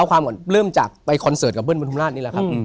ก็เริ่มจากไปคอนเสิร์ตกับเพื่อนบนธุมราชนี่แหละครับ